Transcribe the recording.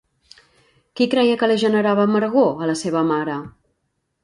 Qui creia que li generava amargor, a la seva mare?